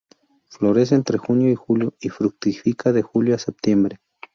Florece entre junio y julio y fructifica de julio a septiembre.